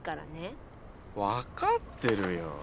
わかってるよ。